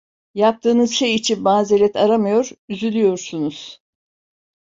Yaptığınız şey için mazeret aramıyor, üzülüyorsunuz.